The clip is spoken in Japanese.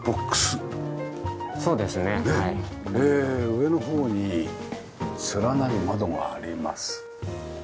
上の方に連なる窓があります。